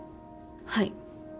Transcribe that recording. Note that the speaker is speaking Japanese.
はい。